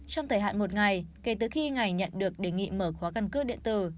trong thời hạn một ngày kể từ khi ngày nhận được đề nghị mở khóa căn cước điện tử